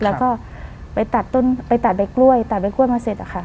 แล้วก็ไปตัดใบกล้วยตัดใบกล้วยมาเสร็จค่ะ